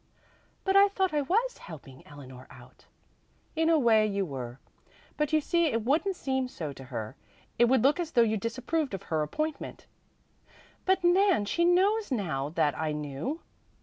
"But I thought I was helping Eleanor out." "In a way you were. But you see it wouldn't seem so to her. It would look as though you disapproved of her appointment." "But Nan, she knows now that I knew."